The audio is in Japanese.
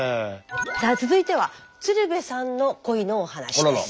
さあ続いては鶴瓶さんの恋のお話です。